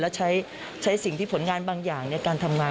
และใช้สิ่งที่ผลงานบางอย่างในการทำงาน